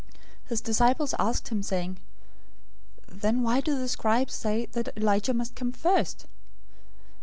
017:010 His disciples asked him, saying, "Then why do the scribes say that Elijah must come first?"